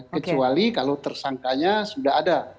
kecuali kalau tersangkanya sudah ada